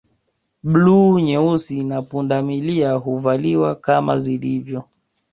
Bluu nyeusi na pundamilia huvaliwa kama zilivyo